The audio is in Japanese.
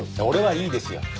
俺はいいですよ。